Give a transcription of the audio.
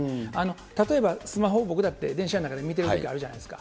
例えばスマホを僕だって電車の中で見てるときあるじゃないですか。